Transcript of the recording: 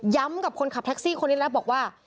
กับคนขับแท็กซี่คนนี้แล้วบอกว่า